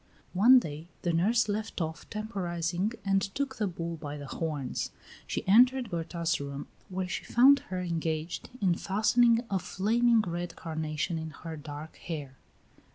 One day the nurse left off temporizing and took the bull by the horns. She entered Berta's room, where she found her engaged in fastening a flaming red carnation in her dark hair.